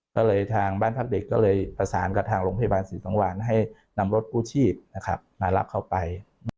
ก็เลยทางบ้านพักเด็กก็เลยประสานกับทางโรงพยาบาลศรีสังวานให้นำรถกู้ชีพมารับเขาไป